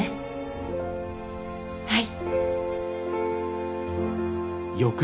はい。